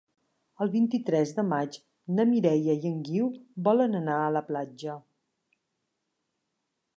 El vint-i-tres de maig na Mireia i en Guiu volen anar a la platja.